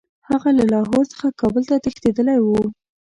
هغه له لاهور څخه کابل ته تښتېتدلی وو.